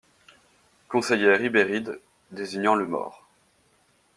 Conseillait Ribéride, désignant le mort.